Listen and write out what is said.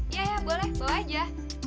iya boleh bawa aja